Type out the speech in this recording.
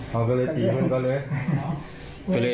อ๋อเขาก็เลยตีผมก็เลย